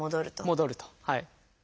戻ると。